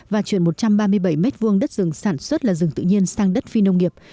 và chuyển một trăm ba mươi bảy m hai đất rừng sản xuất là rừng tự nhiên sang đất phi nông nghiệp